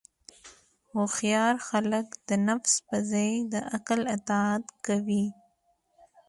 هوښیار خلک د نفس پر ځای د عقل اطاعت کوي.